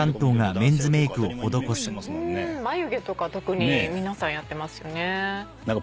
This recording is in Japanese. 眉毛とか特に皆さんやってますよね。